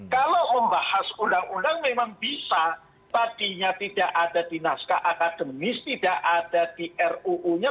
kalau membahas undang undang memang bisa tadinya tidak ada di naskah akademis tidak ada di ruu nya